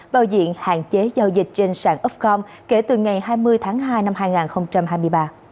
bảo diện hạn chế giao dịch trên sản ofcom kể từ ngày hai mươi tháng hai năm hai nghìn hai mươi ba